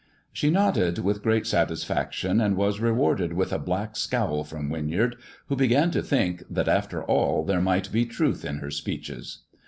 She nodded with great satisfaction, and was rewarded with a black scowl from Winyard, who began to think that, after all, there might be truth in her speeches.